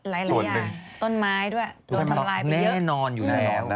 หลายอย่างต้นไม้ด้วยโดนทำลายไปเยอะ